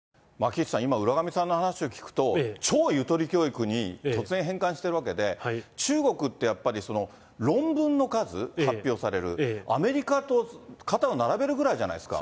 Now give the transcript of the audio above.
岸さん、今、浦上さんの話を聞くと、超ゆとり教育に突然変換しているわけで、中国ってやっぱり、論文の数、発表される、アメリカと肩を並べるぐらいじゃないですか。